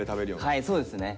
はいそうですね。